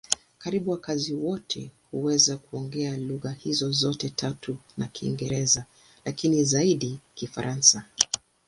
Karibu wakazi wote huweza kuongea lugha hizo zote tatu na Kiingereza, lakini zaidi Kifaransa.